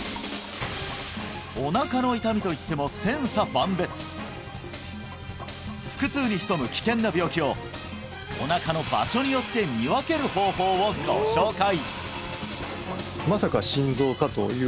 お腹の痛みといっても千差万別腹痛に潜む危険な病気をお腹の場所によって見分ける方法をご紹介！